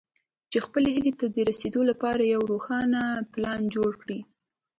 چې خپلې هيلې ته د رسېدو لپاره يو روښانه پلان جوړ کړئ.